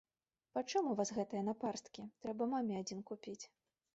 Пачым у вас гэтыя напарсткі, трэба маме адзін купіць?